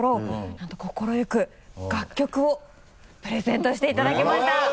何と快く楽曲をプレゼントしていただけました。